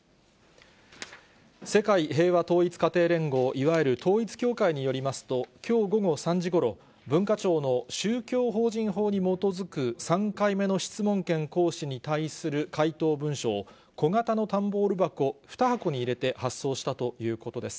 世界平和統一家庭連合、いわゆる統一教会によりますと、きょう午後３時ごろ、文化庁の宗教法人法に基づく３回目の質問権行使に対する回答文書を、小型の段ボール箱２箱に入れて発送したということです。